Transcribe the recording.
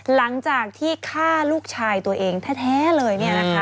หลังจากที่ฆ่าลูกชายตัวเองแท้เลย